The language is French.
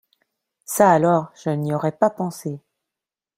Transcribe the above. Ça alors, je n’y aurais pas pensé!